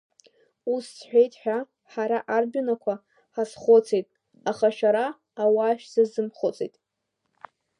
Ус сҳәеит ҳәа, ҳара, ардәынақәа, ҳазхәыцит, аха шәара, ауаа, шәзазымхәыцит.